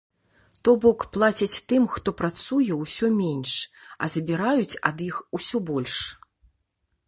То бок, плацяць тым, хто працуе, усё менш, а забіраюць ад іх усё больш.